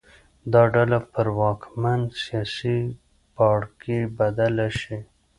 دا ډله پر واکمن سیاسي پاړکي بدله شي.